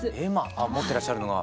持ってらっしゃるのが。